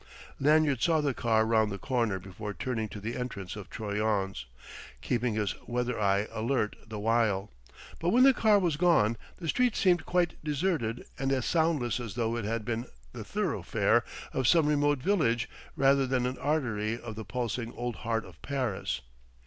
Lanyard saw the car round the corner before turning to the entrance of Troyon's, keeping his weather eye alert the while. But when the car was gone, the street seemed quite deserted and as soundless as though it had been the thoroughfare of some remote village rather than an artery of the pulsing old heart of Paris.